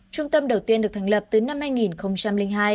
trung tâm đầu tiên được thành lập từ năm hai nghìn hai